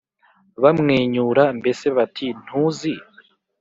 bamwenyura Mbese bati ntuzi